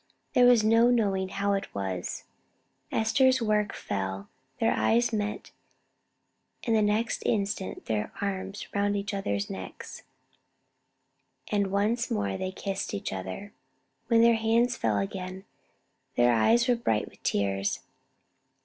There was no knowing how it was: Esther's work fell, their eyes met; and the next instant their arms were round each other's necks, and once more they kissed each other. When their hands fell again, their eyes were bright with tears.